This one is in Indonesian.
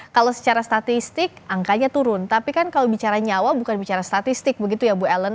kalau secara statistik angkanya turun tapi kan kalau bicara nyawa bukan bicara statistik begitu ya bu ellen